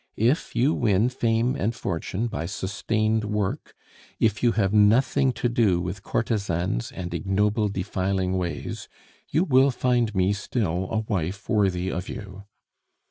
If you win fame and fortune by sustained work, if you have nothing to do with courtesans and ignoble, defiling ways, you will find me still a wife worthy of you.